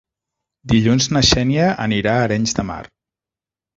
Dilluns na Xènia anirà a Arenys de Mar.